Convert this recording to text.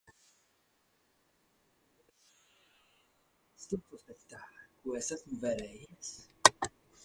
Ko es pats esmu iepriekš deklarējis, es tiecos pēc tā. Ko esmu vēlējies?